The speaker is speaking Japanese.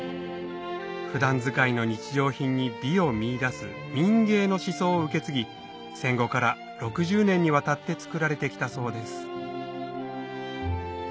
普段使いの日常品に美を見いだす民芸の思想を受け継ぎ戦後から６０年にわたって作られて来たそうです